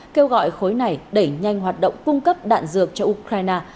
kêu gọi khối này đẩy nhanh hoạt động cung cấp đạn dược cho ukraine